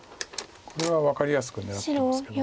これは分かりやすく狙ってますけど。